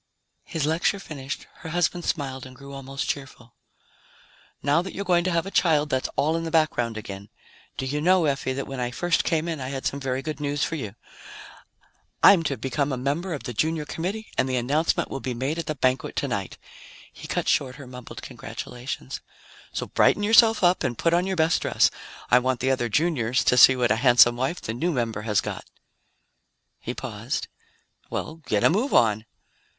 His lecture finished, her husband smiled and grew almost cheerful. "Now that you're going to have a child, that's all in the background again. Do you know, Effie, that when I first came in, I had some very good news for you? I'm to become a member of the Junior Committee and the announcement will be made at the banquet tonight." He cut short her mumbled congratulations. "So brighten yourself up and put on your best dress. I want the other Juniors to see what a handsome wife the new member has got." He paused. "Well, get a move on!"